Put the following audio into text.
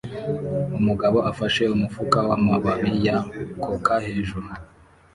Umugabo afashe umufuka wamababi ya coka hejuru